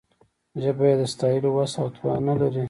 ژبه یې د ستایلو وس او توان نه لري.